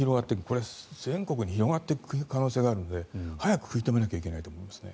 これが全国に広がっていく可能性があるので早く食い止めなきゃいけないと思いますね。